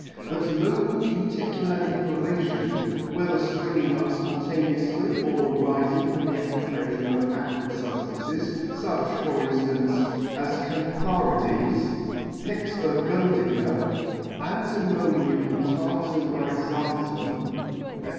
That local cuticular inflammation, whether fpring ing up fpontaneoufly, or arifing from the application of acrid fubftances, fuch, for inftance, as Cantharides, Pix Burgundica, Antimonium Tartarizatum , &c.